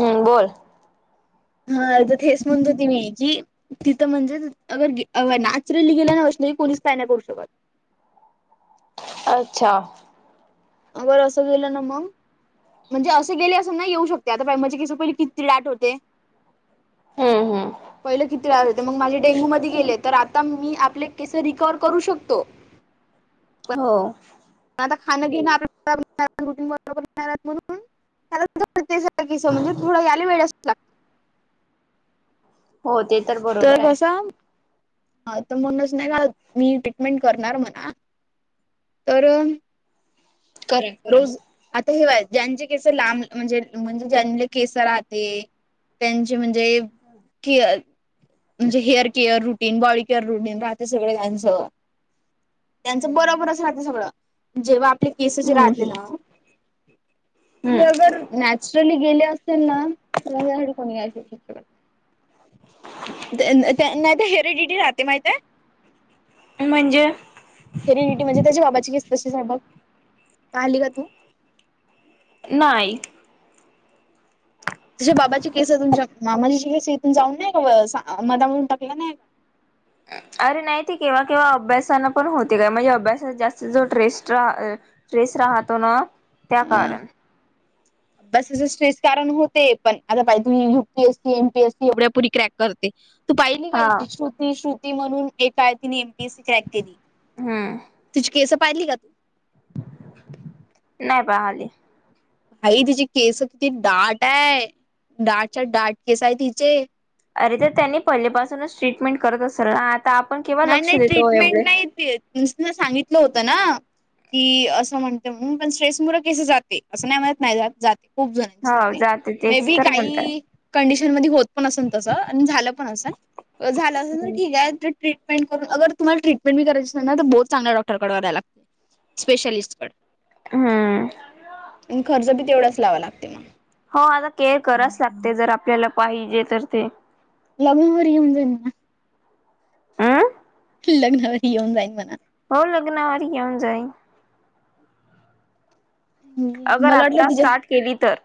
हम्म बोल. हा तर तेच म्हणत होती मी की तिथं म्हणजे अगर नॅचरली गेला ना. नाही पलीस ताना करू शकत. अच्छा. आर असखला ना म म्हणजे असं गेले असं नाही येऊ शकते आता म्हणजे कसं पहिली किती लााट होते. हम्म हम्म पहिलं किती वेस होते मग माझे डेंगू मध्ये गेले तर आता मी आपले केसे रिकवर करू शकतो. पण हो. आता खाणं घेण आपणून किस म्हणजे पुढं याला वेळचच लागते. हो तेच तर कसा? हा तर म्हणच नाही का मी ट्रीटमेंट करणार म्हणा. करण करा करा रोज आता हेवायचं. ज्यांचे केस लांब म्हणजे म्हणजे ज्यांना केस राहते, त्यांचे म्हणजे. केअ, म्हणजे hair care clean body care routine राहते सगळं त्यांचं. त्यांचं हम्म बरोबरच राहते सगळं जेव्हां आपले केसच जे राहते ना. हेअर हम्म जर नॅचरली गेले असतील ना, तर चिटकवून घ्यायचे. [unintelligible] दे नाहीत हेरीडिटी राहते माहितेय? म्हणजे हेरीडिटी म्हणजे त्याच्या मापाची तसेच आहे बग, पाहिली का तू? नाहीय तुझ्या बाबाची केस तुमच्या मामाची इथून जाऊन नाही का मधा म्हणून टाकला नाही का? अरे नाही ते केव्हा केव्हा अभ्यासानी पण होते काय म्हणजे अभ्यासात जास्त जो ट्रेस्ट ट्रेस राहतो ना, त्या कारण अभ्यासाच स्ट्रेस कारण होते पण आता पाही तुम्ही युपीएससी एमपीएससी एवढ्या पोरी क्रॅक करते. तू पाहिली हा काय ती श्रुती श्रुती म्हणून एक आहे तिने एमपीएससी क्रॅक केली. हम्म. तिची केस पाहिली का तू? नाही पाहायली. भाई तिचे केस किती दाट ये, दाटच्या दाट केस आहे तिचे. अरे तर त्यांनी पहिलेपासूनच ट्रीटमेंट करतं असेल ना आता आपण केव्हा नाही लक्ष नाही देतो एवढे ट्रीटमेंट नाही तिनं सांगितलं होतं ना. कि असं म्हणतं म्हणून स्ट्रेस मुलं केस जात असं नाही म्हणतं नाही जात खूप जणांचं हो जाते मे तेच बी तर म्हणतात काही कंडीशन मध्ये पण असन तसं आणि झालं पण असणं, झालं असे तर ठीक ये. ट्रिटमेंट करून अगर तुम्हाला ट्रीटमेंट बी करायचं असेल ना तर बहुत चांगल्या डॉक्टरकड द्यायला लागतेय, स्पेशलिस्ट कडे. हम्म आणि खर्च बी तेवढाच लावाय लागतेय मग. हो आता केअर करायचं लागते जर आपल्याला पाहिजे तर ते‌. लग्नावर घेऊन जायल ना? अं लग्नावर येऊन जाईन म्हणा. हो लग्नावर घेऊन जाईन. अगर मला वाटलं आता तिच्या स्टार्ट केली तर.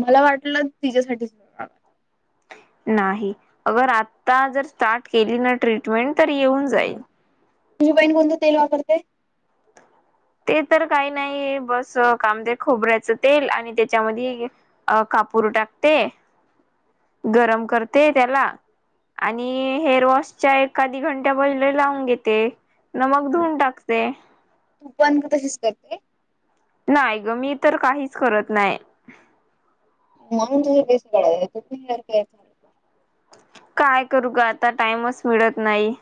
मला वाटलं तिच्यासाठीच म्हणालाय! नाही, अगर आता जर स्टार्ट केली ना ट्रीटमेंट तर येऊन जाईल. तुझी बहीण कोणतं तेल वापरते? ते तर काही नाही बस कांदे खोबऱ्याचं तेल आणि त्याच्यामध्ये कापूर टाकते, गरम करते त्याला आणि हेअर वॉशच्या एक अधी घंटा पहिले लावून घेते. न मग धुऊून टाकते. तू पण का तशीच करते? नाही ग मी तर काहीच करत नाही. मग तुम्ही केस गळीच हेअर केअर करत नाही? काय करूं ग आता टाइमच मिळतं नाही.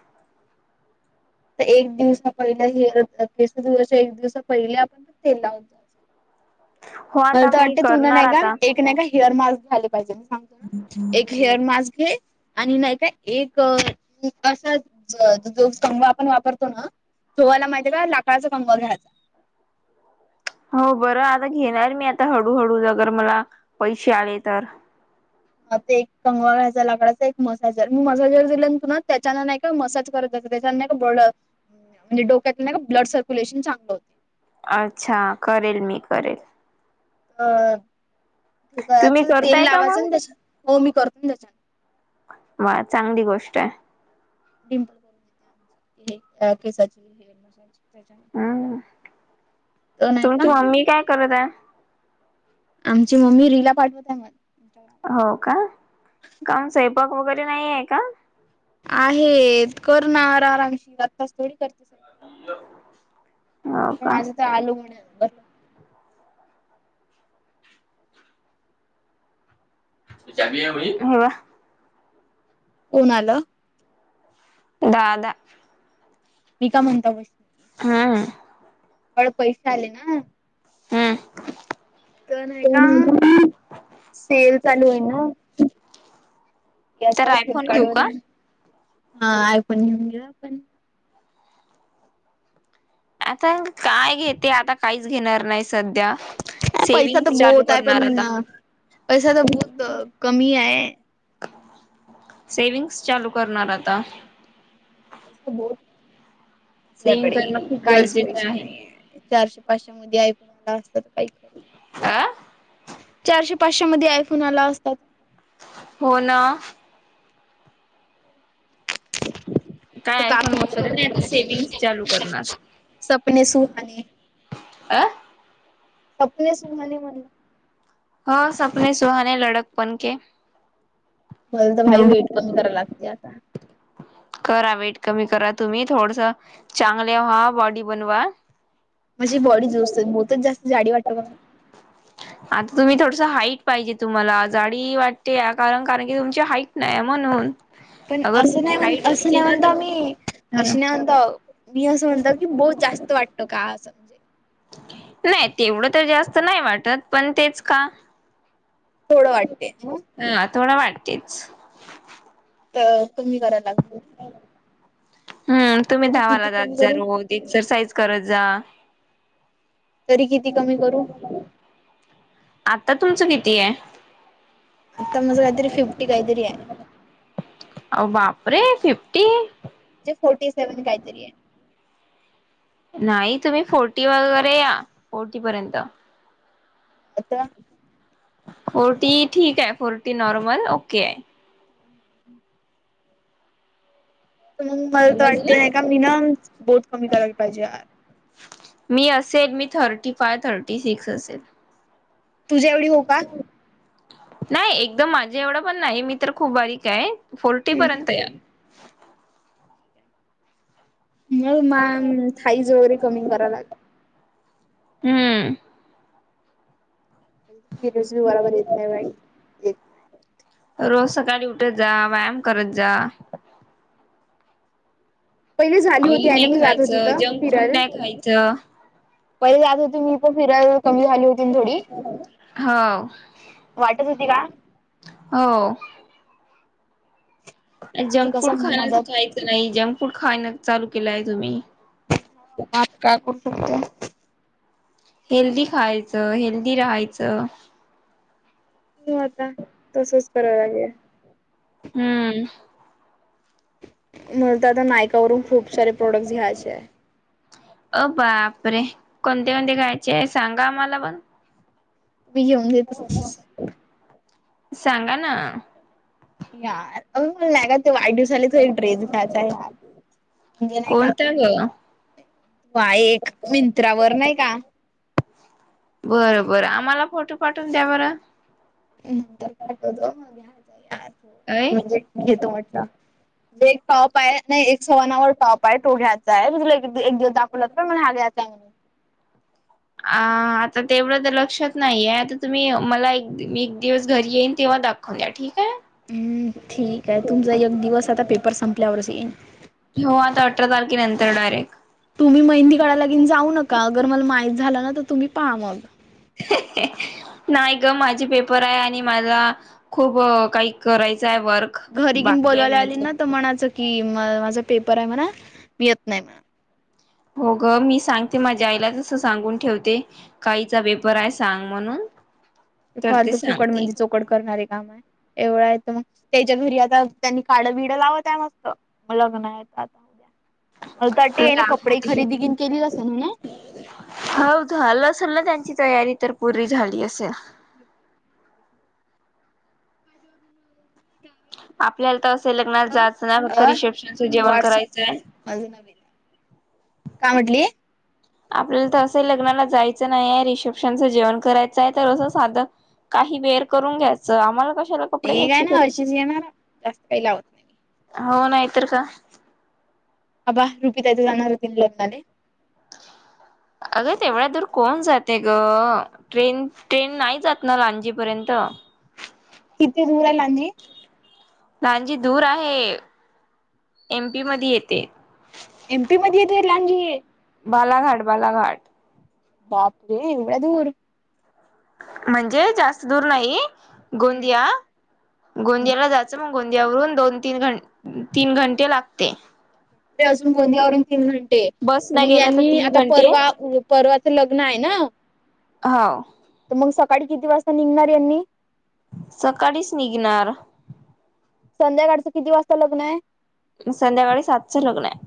ते एक दिवसा पहिलं हेअर केस धुवायच्या एक दिवस पहिले आपण तेल लावतो. हो मला आता तर मी वाटते तु ना करणार नाही का, आता एक नाही का हेअर मास्क घ्याले पाहिजे मी सांगतो ना, एक हेअर मास्क घे आणि नाही का एक, असा जो कंगवा आपण वापरतो ना धुवायला माहितीये का? लाकडचा कंगवा घ्यायचा. हो बरं आता घेणारं मी आता हळूहळू अगर मला, पैसे आले तर. ह ते एक कंगळ्याचा लाकडाचा एक मसाजर मसाजर पुन्हा त्याच्यान नाही का मसाज करत त्याच्यान बोल्ड डोक्यात नैका ब्लड सर्क्युलेशन चांगलं होते. अच्छा करेल मी करेल. अ ते कराच तुम्ही तेल करताय का मग लावायचं ना तेच्या हो मी करतो ना तेच्या म चांगली गोष्ट हाय. डिंपल करून देत्या हे आ केसाची हे हेअर मसाज. त्याच्यान हम्म तर नाही का तुमची मम्मी काय करत आय? आमची मम्मी रिला पाठवत आहे. इंस्टाग्रामवर. हो का काऊन स्वंयपाक वगैरे नाही आहे का? आहेत करणार आरारामशी आताच थोडी कर हो का माझं तर आलू म्हण बर. हो. कोण आलं? दादा. मी का म्हणता बस हा हा. बड पैसे आले ना. हम्म तर नाय का सेल चालू ये ना. तर याच्या आयफोन फ्लिमकारड घेऊ वर का हा आय फोन घेऊन घेऊया आपण. आता काय घेते आता काहीच घेणार नाहीस पैसा तर बोहताय करणार पण आता पैसा तर बोहत कमी आहे. सेविंग्स चालू करणार आता. बोहत सेविंग आपल्याकडे, करणं खूप काहीच गरजेचं पैसे आहे नाहीये, चारशे पाशामध्ये आय फोन असतात काय? आं. चारशे पाचशे मध्ये आयफोन आला असता हो ना. [inaudible] काय आय का फोन करू वगैरे नाय, आता शकते सेविंग्स चालू करणार. सपने सुहाने. अं. सपने सुहाने म्हण हो सपने सुहाने लडक पण के. मला तर भाई हम्म. वेट कमी कराय, लागतातय आता. करा वेट कमी करा, तुम्ही थोडस चांगले व्हा, बॉडी बनवा. माझी बॉडी जोस्त बहुतच जास्त जाडी वाटतो का मी आता तुम्ही थोडस हाईट पाहिजे तुम्हाला जाडी वाटते, या कारण कारण की तुमची हाईट नाहीयेय म्हणून. पण अगर असं तुमची नाही म्हण हाईट असं असती नाही ना म्हणता, तर आम्ही हा अशी नाही म्हणताव. मी असं म्हणताव की बहुत जास्त वाटत, का हा सुबजेक्ट? नाई तेवढं तर जास्त नाही वाटत, पण तेच का? थोडं वाटते. हा थोडं वाटतेच. त तुम्ही करा [unintelligible] हम्म तुम्ही तरी किती धावाला जात कमी जा करू रोज एक्सरसाईज करत जा. तरी किती कमी करू आता तुमचं किती याय. आता माझं काहीतरी फिफ्टी काहीतरी हाय. आ बापरे फिफ्ट! म्हणजे फोर्टी सेवन काहीतरी ये. नाही तुम्ही फोर्टी वगैरे या फोर्टी पर्यंत. आता. फोर्टी ठीके, फोर्टी नॉर्मल ओकेय. तर मग मला तर वाटते, समजलं. नाही का मी ना पोट कमी करायला पाहिजे. मी असे मी थर्टी फाय, थर्टी सिक्स असेल. तुझ्या एवढी होव का? नाही एकदम माझे एवढं पण नाही, मी तर खूप बारीके, फोर्टी पर्यंत या. [inaudible] मग मा थाईज वगैरे कमी कराव लाग हम्म. म्हणसी बरोबर येत नाही बाई रोज सकाळी उठत, जा व्यायाम करत जा. पहिले झाली होती ऑइली हायना नाही मी जात होती खायचं त जंक फूड फिरायला. नाही खायचं पहिले जात होते मी पण फिरायाला त, कमी झाली होती न थोडी हो वाटत होती का हो हे जंक कसं फूड खाण्या मदत काहीच नाही जंक फूड खाणं चालू केलंय तुम्ही आज काय करू हेल्दी खायचं, हेल्दी राहायचं. हो आता, तसच करावं लागेल. हम्म. म्हणून तर आता नायकावरून खूप सारे प्रोडक्ट्स घ्यायचे आहे. अ बापरे! कोणते कोणते घ्यायचे आहे सांगा आम्हाला पण. मी घेऊन देते. सांगा ना. यार का वाढदिवसाला तो एक ड्रेस घ्यायचा यार. म्हणजे नाही का कोणत ग? [unintelligible] एक मिंत्रावर नाही का? बरं बर आम्हाला फोटो पाठवून द्या बरं. नंतर पाठवतो, अय म्हणजे घेतो म्हटलं. जे एक टॉप आहे ना एक सवणानावर टॉप आहे तो घ्यायचा आहे तु एक एक दिवस दाखवला पण मला हा घ्या [unintelligible] अ आता तेवढं तर लक्षात नाहीये आता तुम्ही मला एक दिवस घरी येईन तेव्हा दखून द्या ठीक आहे हम्म ठीक आहे, तुमचा एक दिवस आता पेपर संपल्यावरच येईन. आठरा तारखे नंतर डारेक्ट. तुम्ही मेहंदी काढायला जाऊ नका अगर मला माहित झालं ना तर तुम्ही पाहा म. नाही ग माझे पेपर आहे आणि माझा खूप काही करायचं. आहे वर्क घरी घेन बाकी आहे बोलायला आली माझं ना तर मनाचं. कि म माझा पेपर आहे म्हणा, मी येत नाही म्हणा. हो ग मी सांगते माझ्या आईला तस सांगून ठेवते काहीचा पेपर आहे सांग म्हणून. तर ते फालतू फुकट सांगते मध्ये चोकड करणारे काम. एवढं आहे तर मग त्याच्या घरी आता त्यांनी काडं बिडं लावत आहे मस्त लग्न आहेेत आता उद्या. अता अटे ना कपडे खरेदी केली असेल ना. हाव झालं असेल ना त्यांची तयारी तर पूरी झाली असेल. [unintelligible] आपल्याला तर असं लग्नात अ जाचं ना फक्त अ रिसेप्शनच जेवण व्हॉट्सअप करायचंय. माझं नवीन काय म्हटली? आपल्याला तर असं लग्नाला जायचं नाही आहे रिसेप्शनचं जेवण करायचं आहे तर असं साधं काही बेअर करून घ्यायचं आम्हाला कस ठीक आहे ना अळशीच येणार, जास्त काही लावत नाही. हो नाही तर काय? अबा रुपीताय तर जाणार होती नं लग्नाले? अग तेवढ्या दूर कोण जाते ग? ट्रेन ट्रेन नाही जात ना लांजीपर्यंत. किती दूर हाय लांजी? लांजी दूर आहे, एमपी मध्ये येते. एमपी मधे येतेय लांजी? बालाघाट, बालाघाट. बापरे! एवढ्या दूर. म्हणजे जास्त दूर नाही, हम्म. गोंदिया, गोंदियाला जायचं मग गोंद्यावरून दोन तीन घन तीन घंटे लागते. अजून गोंदियावरून तीन घं ते बस न मग गेला तर यांनी तीन आता घंटे परवा परवाचं लग्न आहे ना. हो तर मग सकाळी किती वाजता निघणार यांनी? सकाळीच निघणार. संध्याकाळचं किती वाजता लग्न हाय? संध्याकाळी सातचं लग्न हाय.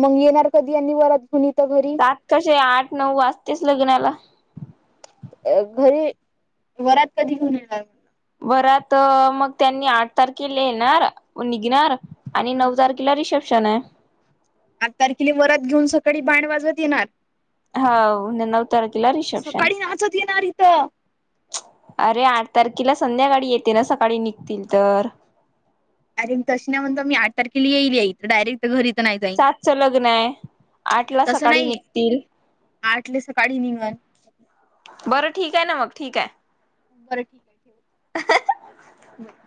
मग येणार कधी यांनी वरात घेऊन इथं घरी सात कसे आठ नऊ वाजतेच लग्नाला अ घरी वरात कधी घेऊन येणार? वरात मग त्यांनी आठ तारखेला येणार निघणार, आणि म्हणलं. नऊ तारखेला रिसेपश शन आहे आठ तारखेला वरात घेऊन सकाळी बॅण्ड वाजवत येणार? हाव नऊ तारखेला रिसेप्शन. सकाळी नाचत येणार इथं अरे आठ तारखेला संध्याकाळी येते ना सकाळी निघतील तर. अरे तशी नाही म्हणतो मी, आठ तारखेला येईलंय डायरेक्ट घरी तर नाही जाईन सातचं लग्न आहे, आठ ला तसं सकाळी नाही निघतील आठले सकाळी निघण बरं ठीक आहे ना मग, ठीक आहे बरं ठीक आहे ठेवते. व्हय